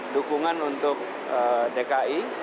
dukungan untuk dki